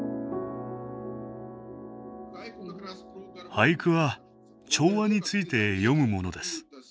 俳句は調和について詠むものです。